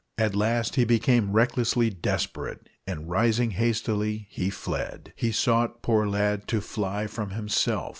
At last he became recklessly desperate, and, rising hastily, he fled. He sought, poor lad, to fly from himself.